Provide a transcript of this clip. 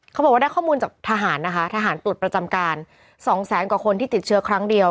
เขาบอกว่าได้ข้อมูลจากทหารนะคะทหารตรวจประจำการสองแสนกว่าคนที่ติดเชื้อครั้งเดียว